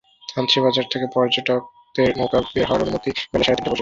থানচি বাজার থেকে পর্যটকদের নৌকা বের হওয়ার অনুমতি বেলা সাড়ে তিনটা পর্যন্ত।